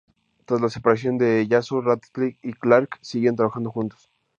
Tras la separación de Yazoo, Radcliffe y Clarke siguieron trabajando juntos.